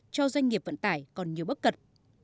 cho doanh nghiệp vận tải còn nhiều bất cật